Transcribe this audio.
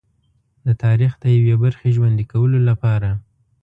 د تاریخ د یوې برخې ژوندي کولو لپاره.